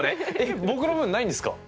僕の分ないんですか？